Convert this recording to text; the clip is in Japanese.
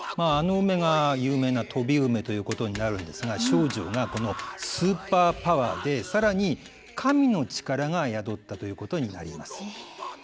あの梅が有名な飛梅ということになるんですが丞相がこのスーパーパワーで更に神の力が宿ったということになります。